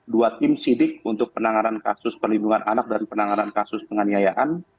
dua tim sidik untuk penanganan kasus perlindungan anak dan penanganan kasus penganiayaan